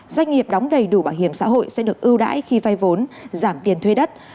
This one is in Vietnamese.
doanh nghiệp đóng đầy đủ bảo hiểm xã hội sẽ được ưu đãi khi vay vốn giảm tiền thuê đất